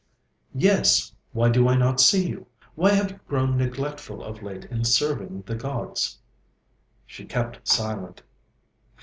'Yes, why do I not see you? Why have you grown neglectful of late in serving the gods?' She kept silent.